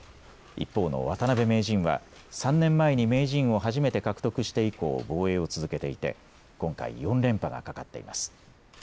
一方の渡辺名人は３年前に名人を初めて獲得して以降、防衛を続けていて今回４連覇がかかっています。